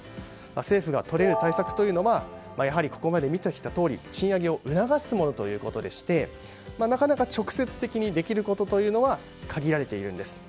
政府が取れる対策というのはやはり、ここまで見てきたとおり賃上げを促すものでしてなかなか直接的にできることというのは限られているんです。